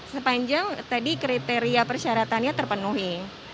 sepanjang tadi kriteria persyaratannya terpenuhi